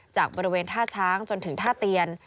จากบริเวณท่าช้างจนถึงท่าเตียน